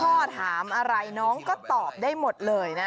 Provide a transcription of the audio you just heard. พ่อถามอะไรน้องก็ตอบได้หมดเลยนะ